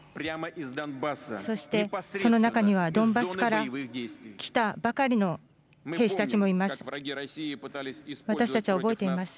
そして、その中にはドンバスから来たばかりの兵士たちもいます。